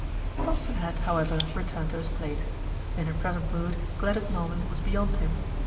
Thompson had, however, returned to his plate. In her present mood, Gladys Norman was beyond him.